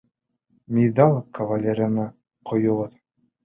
Миҙал кавалерына ҡойоғоҙ.